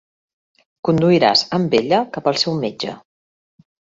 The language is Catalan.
Conduiràs amb ella cap al seu metge.